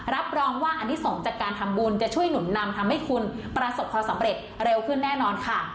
รับรองว่าอันที่สองจากการทำบุญจะช่วยหนุนนำทำให้คุณประสบความสำเร็จเร็วขึ้นแน่นอนค่ะ